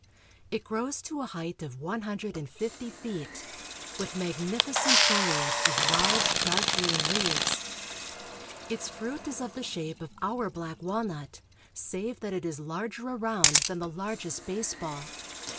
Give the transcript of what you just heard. It grows to a height of one hundred and fifty feet, with magnificent foHage of large dark green leaves. Its fruit is of the shape of our black walnut, save that it is larger around than the largest baseball.